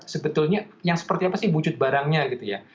sebetulnya yang seperti apa sih wujud barangnya gitu ya